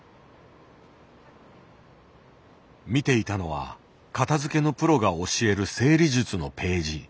見ていたのは片づけのプロが教える整理術のページ。